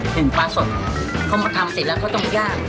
หนึ่งปลาสดเขามาทำเสร็จแล้วเขาต้องย่าง